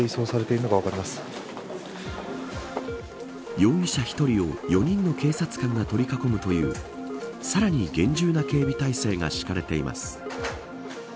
容疑者１人を４人の警察官が取り囲むというさらに厳重な警備体制が敷かれています。